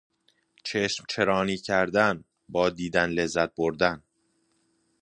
چشم چرانی کردن، با دیدن لذت بردن